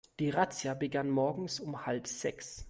Die Razzia begann morgens um halb sechs.